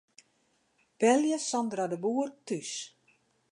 Belje Sandra de Boer thús.